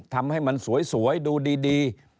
ทำให้มันสวยดูดี